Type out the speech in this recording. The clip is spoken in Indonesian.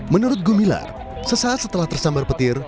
menurut gumilar sesaat setelah tersambar petir